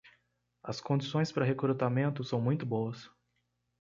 As condições para recrutamento são muito boas.